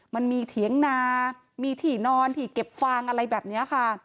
เถียงนามีที่นอนที่เก็บฟางอะไรแบบนี้ค่ะ